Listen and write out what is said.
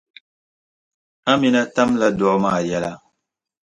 Amina tamla duɣu maa yɛla.